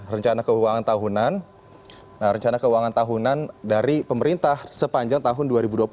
rencana keuangan tahunan rencana keuangan tahunan dari pemerintah sepanjang tahun dua ribu dua puluh satu